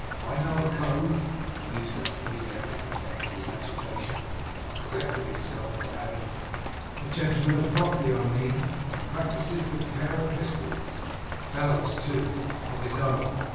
I know a Cove ' he used that familiar epithet in his agitation but corrected himself by adding, 'a gentleman of property, I mean who practices with a pair of pistols (fellows too) of his own.